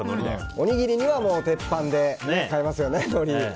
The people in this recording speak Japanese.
おにぎりには鉄板で使いますよね。